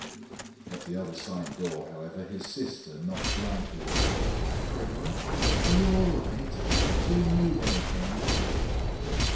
At the other side door, however, his sister knocked lightly. "Gregor? Are you all right? Do you need anything?"